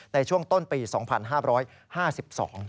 ในช่วงต้นปี๒๕๕๒